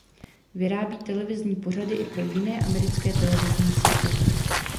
Vyrábí televizní pořady i pro jiné americké televizní sítě.